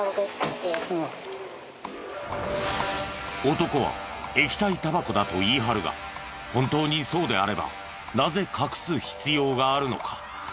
男は液体タバコだと言い張るが本当にそうであればなぜ隠す必要があるのか？